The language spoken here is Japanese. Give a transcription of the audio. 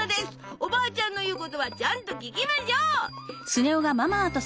おばあちゃんの言うことはちゃんと聞きましょう。